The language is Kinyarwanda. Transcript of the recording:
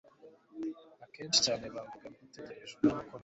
Akenshi cyane bumvaga bategereje umwami ukomeye,